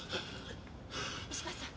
石川さん！